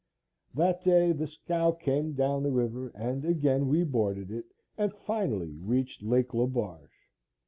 That day the scow came down the river and again we boarded it and finally reached Lake Le Barge.